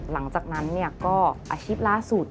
หลังจากนั้นก็อาชีพล่าสุด